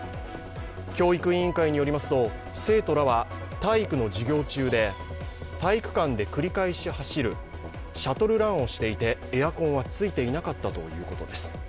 教育委員会によりますと、生徒らは体育の授業中で、体育館で繰り返し走るシャトルランをしていてエアコンはついていなかったということです。